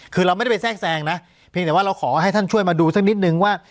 คือเราไม่ได้ไปแทรกแซงนะเพียงแต่ว่าเราขอให้ท่านช่วยมาดูสักนิดนึงว่า